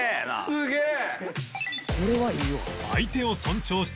すげえ！